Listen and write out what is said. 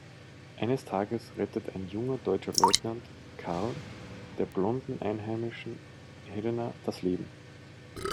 Eines Tages rettet ein junger deutscher Leutnant, Karl, der blonden Einheimischen Helena das Leben.